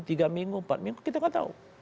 tiga minggu empat minggu kita kan tahu